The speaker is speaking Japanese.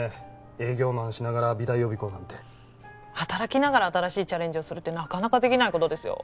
営業マンしながら美大予備校なんて働きながら新しいチャレンジをするってなかなかできないことですよ